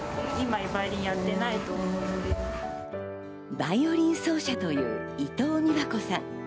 バイオリン奏者という伊藤三和子さん。